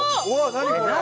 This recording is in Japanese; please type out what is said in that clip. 何これ？